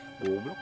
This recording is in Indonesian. oh beloknya orang